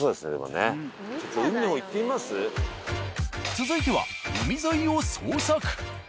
続いては海沿いを捜索。